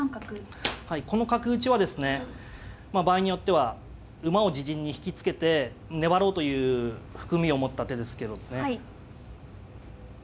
はいこの角打ちはですね場合によっては馬を自陣に引き付けて粘ろうという含みを持った手ですけどね。